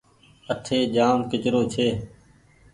اٺي جآم ڪچرو ڇي۔